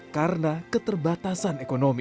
karena keterbatasan ekonomi